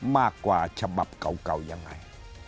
มากกว่าฉบับเก่ายังไง